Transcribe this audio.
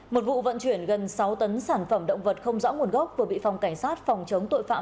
một vụ vận chuyển gần sáu tấn sản phẩm động vật không rõ nguồn gốc vừa bị phòng cảnh sát phòng chống tội phạm